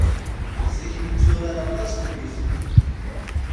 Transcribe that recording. Zik netturar aṭas deg uzniq.